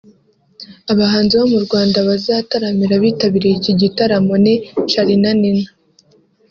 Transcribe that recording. Abahanzi bo mu Rwanda bazataramira abitabiriye iki gitaramo ni Charly&Nina